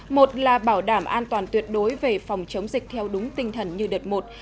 một là bảo đảm an toàn tuyệt đối về phòng chống dịch theo đúng tinh thần như đợt một